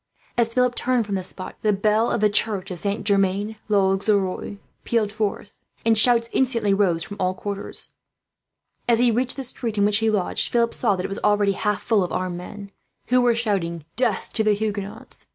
As Philip turned from the spot, the bell of the church of Saint Germain l'Auxerrois peeled forth, and shouts instantly rose from all quarters. As he reached the street in which he lodged, Philip saw that it was already half full of armed men, who were shouting "Death to the Huguenots!"